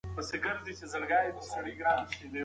زده کړه انسان ته د مسؤلیت احساس ورکوي.